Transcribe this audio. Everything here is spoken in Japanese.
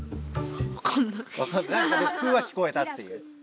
なんかでも「く」は聞こえたっていう？